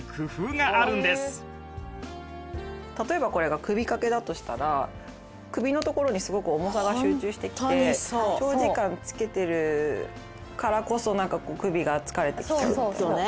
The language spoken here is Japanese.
例えばこれが首掛けだとしたら首のところにすごく重さが集中してきて長時間つけてるからこそなんかこう首が疲れてきちゃうみたいな。